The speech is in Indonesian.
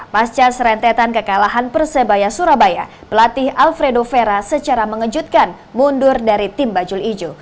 pasca serentetan kekalahan persebaya surabaya pelatih alfredo vera secara mengejutkan mundur dari tim bajul ijo